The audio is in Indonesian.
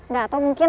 gak tau mungkin